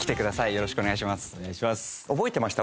よろしくお願いします。